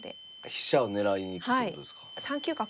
飛車を狙いに行くっていうことですか。